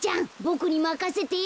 ボクにまかせて。